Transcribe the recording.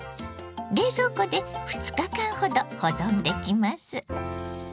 冷蔵庫で２日間ほど保存できます。